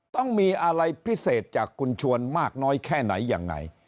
ต้องมีอะไรพิเศษจากคุณชวนมากน้อยแค่ไหนยังไง